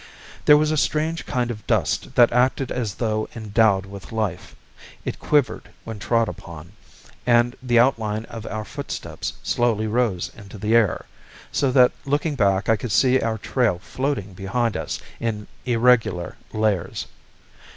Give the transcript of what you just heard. There was a strange kind of dust that acted as though endowed with life. It quivered when trod upon, and the outline of our footsteps slowly rose into the air, so that looking back I could see our trail floating behind us in irregular layers.